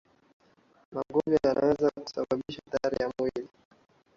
magonjwa yanaweza kusababisha athari kubwa ya mwili